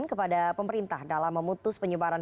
kepada pemerintah dalam memutus penyebaran